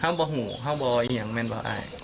ห้ามฟ้องูห้ามวอยเหงย่างแมนประอาย